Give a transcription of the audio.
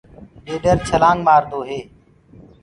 ڏيڏر ڇلآنگ مآردو هي۔